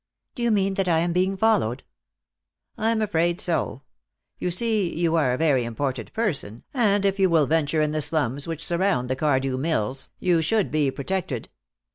"Do you mean that I am being followed?" "I'm afraid so. You see, you are a very important person, and if you will venture in the slums which surround the Cardew Mills, you should be protected.